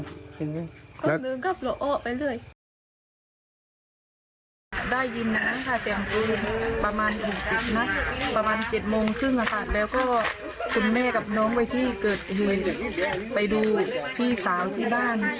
แล้วก็คุณแม่กับน้องที่เกิดเหตุไปดูพี่สาวที่บ้าน